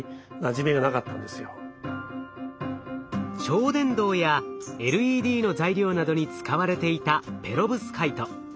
超電導やＬＥＤの材料などに使われていたペロブスカイト。